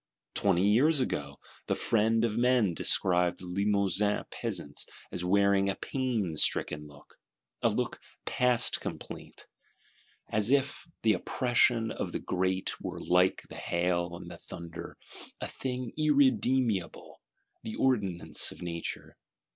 Twenty years ago, the Friend of Men (preaching to the deaf) described the Limousin Peasants as wearing a pain stricken (souffre douleur) look, a look past complaint, "as if the oppression of the great were like the hail and the thunder, a thing irremediable, the ordinance of Nature."